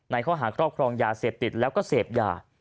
ข้อหาครอบครองยาเสพติดแล้วก็เสพยา